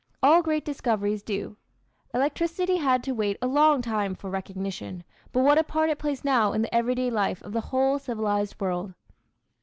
All great discoveries do. Electricity had to wait a long time for recognition; but what a part it plays now in the everyday life of the whole civilized world!